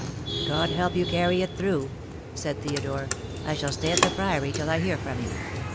"God help you to carry it through," said Theodore. "I shall stay at the Priory till I hear from you.